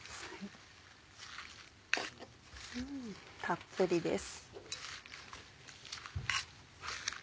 たっぷりです。